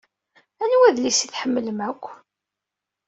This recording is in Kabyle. Anwa adlis i tḥemmlem akk?